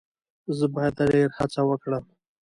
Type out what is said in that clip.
زه باید ډیر هڅه وکړم.